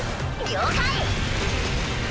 了解！